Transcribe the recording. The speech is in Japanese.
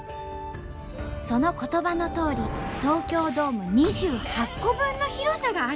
その言葉のとおり東京ドーム２８個分の広さがあるんです。